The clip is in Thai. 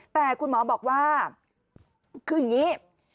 แต่คุณหมอบอกว่าคืออย่างนี้